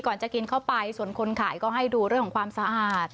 จะกินเข้าไปส่วนคนขายก็ให้ดูเรื่องของความสะอาด